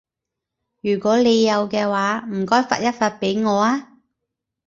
如果你有嘅話，唔該發一發畀我啊